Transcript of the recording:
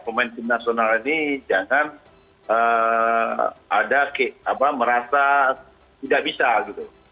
pemain tim nasional ini jangan ada merasa tidak bisa gitu